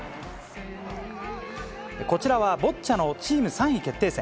こちらはボッチャのチーム３位決定戦。